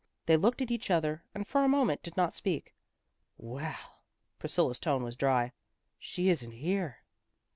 They looked at each other, and for a moment did not speak. "Well!" Priscilla's tone was dry. "She isn't here."